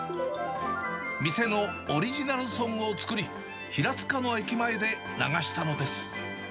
店のオリジナルソングを作り、平塚の駅前で流したのです。